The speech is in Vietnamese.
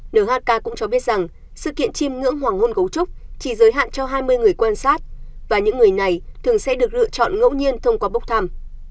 nhk cũng cho biết rằng sự kiện chiêm ngưỡng hoàng hôn cấu trúc chỉ giới hạn cho hai mươi người quan sát và những người này thường sẽ được lựa chọn ngẫu nhiên thông qua bốc thăm